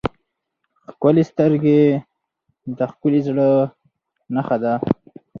ښکلي سترګې د ښکلي زړه نښه ده.